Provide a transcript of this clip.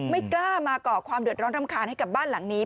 ไม่กล้ามาก่อความเดือดร้อนรำคาญให้กับบ้านหลังนี้